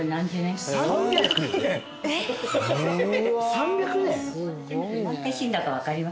３００年？